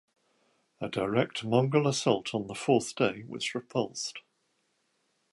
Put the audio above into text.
A direct Mongol assault on the fourth day was repulsed.